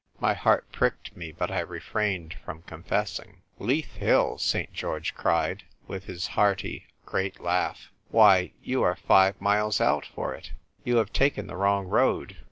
(My heart pricked me, but I refrained from confessing.) " Leith Hill !" St. George cried, with his hearty great laugh. "Why, you are five miles out for it ! You have taken the wrong road.